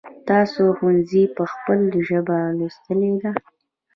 تاسو ښونځی په خپل ژبه لوستی دی ؟